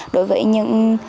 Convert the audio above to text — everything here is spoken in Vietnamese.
đối với những